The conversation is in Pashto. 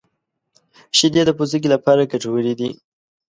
• شیدې د پوستکي لپاره ګټورې دي.